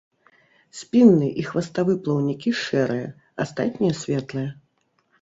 Спінны і хваставы плаўнікі шэрыя, астатнія светлыя.